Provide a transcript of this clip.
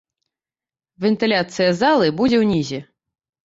Вентыляцыя залы будзе ўнізе.